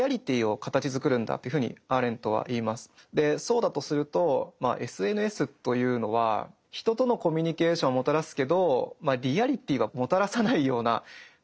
でそうだとするとまあＳＮＳというのは人とのコミュニケーションをもたらすけどリアリティーはもたらさないような感じがしますね。